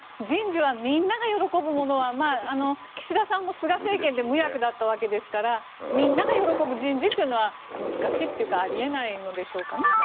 人事はみんなが喜ぶものは岸田さんも菅政権で無役だったわけですからみんなが喜ぶ人事というのは難しいというかあり得ないんですかね。